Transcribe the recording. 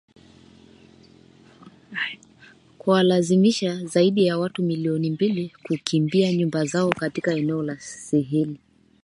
kuwalazimisha zaidi ya watu milioni mbili kukimbia nyumba zao katika eneo la Sahel